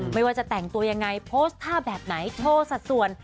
ไม่ว่าจะแต่งตัวยังไงโพสต์ท่าแบบไหนโชว์สัดส่วน